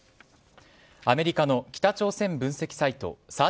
アメリカの北朝鮮分析サイト３８